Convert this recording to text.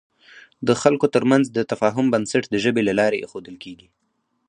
د خلکو تر منځ د تفاهم بنسټ د ژبې له لارې اېښودل کېږي.